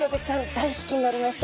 大好きになりました。